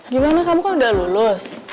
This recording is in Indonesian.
gimana kamu kan udah lulus